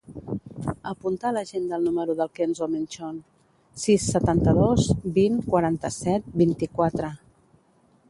Apunta a l'agenda el número del Kenzo Menchon: sis, setanta-dos, vint, quaranta-set, vint-i-quatre.